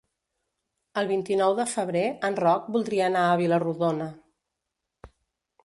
El vint-i-nou de febrer en Roc voldria anar a Vila-rodona.